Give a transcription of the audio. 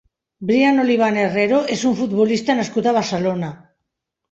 Brian Oliván Herrero és un futbolista nascut a Barcelona.